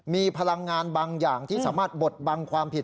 มีพลังงานบางอย่างที่สามารถบดบังความผิด